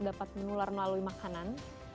dapat menular melalui makanan